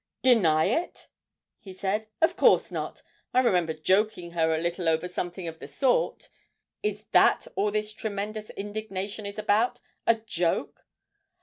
'Deny it!' he said, 'of course not; I remember joking her a little over something of the sort. Is that all this tremendous indignation is about a joke?'